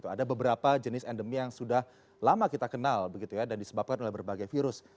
ada beberapa jenis endemi yang sudah lama kita kenal begitu ya dan disebabkan oleh berbagai virus